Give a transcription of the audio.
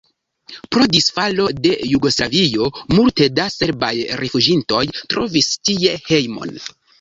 Pro disfalo de Jugoslavio multe da serbaj rifuĝintoj trovis tie hejmon.